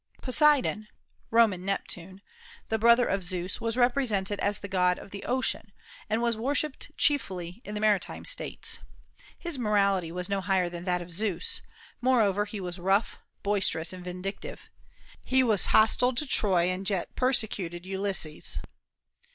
Poseidon (Roman Neptune), the brother of Zeus, was represented as the god of the ocean, and was worshipped chiefly in maritime States. His morality was no higher than that of Zeus; moreover, he was rough, boisterous, and vindictive. He was hostile to Troy, and yet persecuted Ulysses.